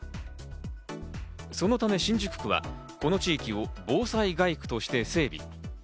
そのため新宿区はこの地域を防災街区として整備。